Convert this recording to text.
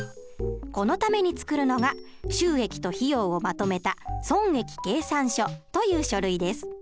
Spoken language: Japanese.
このために作るのが収益と費用をまとめた損益計算書という書類です。